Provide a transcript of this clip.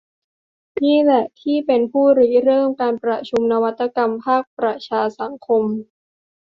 นี่แหละที่เป็นผู้ริเริ่มการประชุมนวัตกรรมภาคประชาสังคม